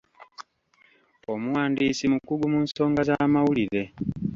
Omuwandiisi mukugu mu nsonga z'amawulire.